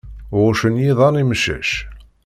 Ɣuccen yiḍan imcac.